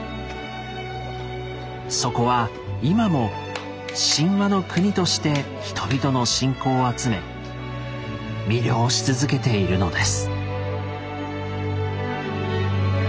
そこは今も「神話の国」として人々の信仰を集め魅了し続けているのです。